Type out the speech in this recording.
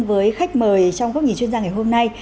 với khách mời trong góc nhìn chuyên gia ngày hôm nay